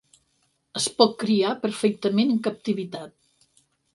Es pot criar perfectament en captivitat.